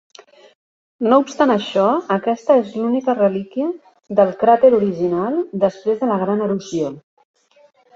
No obstant això, aquesta és l"única relíquia del cràter original després de la gran erosió.